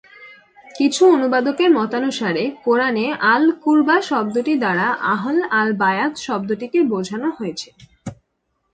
কিছু অনুবাদকের মতানুসারে, কেরআন-এ "আল-কুরবা" শব্দটি দ্বারা 'আহল আল-বায়াত' শব্দটিকে বোঝানো হয়েছে।